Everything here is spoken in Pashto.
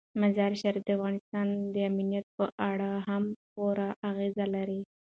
مزارشریف د افغانستان د امنیت په اړه هم پوره اغېز لري.